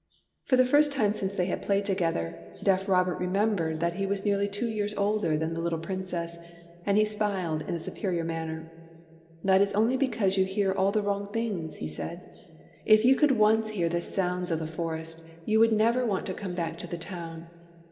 For the first time since they had played to gether, deaf Robert remembered that he was nearly two years older than the little Prin cess ; and he smiled in a superior manner. '' That is only because you hear all the wrong things/' he said. '' If you could once hear the sounds of the forest, you would never want to come back to the town."